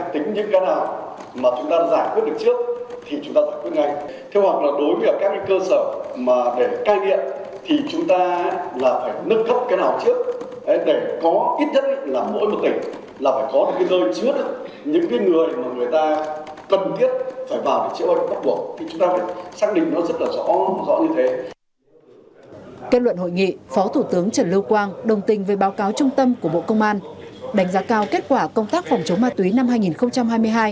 tại hội nghị phó thủ tướng trần lưu quang đồng tình với báo cáo trung tâm của bộ công an đánh giá cao kết quả công tác phòng chống ma túy năm hai nghìn hai mươi hai